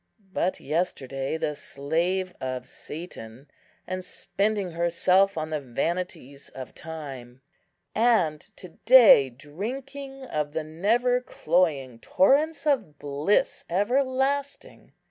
But yesterday the slave of Satan, and spending herself on the vanities of time; and to day drinking of the never cloying torrents of bliss everlasting.